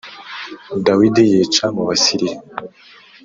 Dawidi yica mu Basiriya